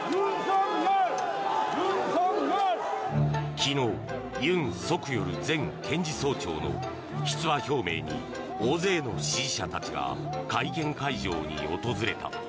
昨日ユン・ソクヨル前検事総長の出馬表明に大勢の支持者たちが会見会場に訪れた。